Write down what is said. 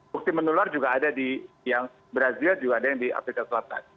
bukti menular juga ada di brazil juga ada yang di afrika selatan